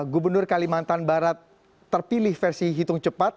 gubernur kalimantan barat terpilih versi hitung cepat